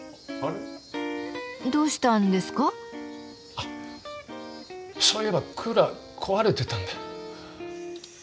あっそういえばクーラー壊れてたんだ。